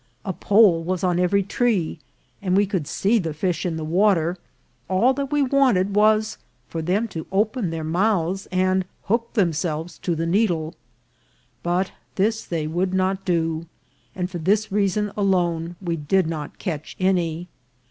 A pole was on every tree, and we could see the fish in the water ; all that we wanted was for them to open their mouths and hook themselves to the needle ; but this they would not do, and for this reason alone we did not catch any.